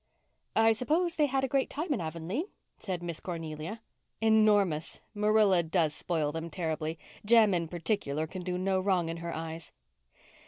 "I suppose they had a great time in Avonlea?" said Miss Cornelia. "Enormous. Marilla does spoil them terribly. Jem, in particular, can do no wrong in her eyes."